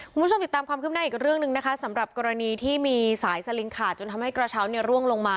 คุณผู้ชมติดตามความคืบหน้าอีกเรื่องหนึ่งนะคะสำหรับกรณีที่มีสายสลิงขาดจนทำให้กระเช้าเนี่ยร่วงลงมา